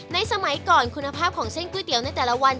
สมัยก่อนคุณภาพของเส้นก๋วยเตี๋ยวในแต่ละวัน